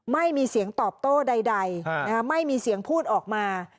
ไม่มีเสียงตอบโต้ใดไม่มีเสียงพูดออกมา